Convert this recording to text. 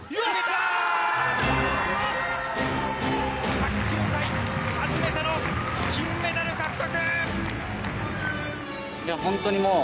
卓球界初めての金メダル獲得！